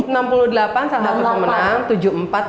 enam puluh delapan salah satu pemenang